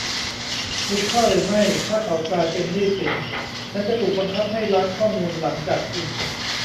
มีค่าหรือไม่ถ้าเขากลายเป็นหนี้สินฉันจะถูกบังคับให้ล้างข้อมูลหลังจากคุณ